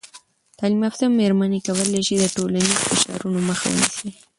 تعلیم یافته میرمنې کولی سي د ټولنیز فشارونو مخه ونیسي.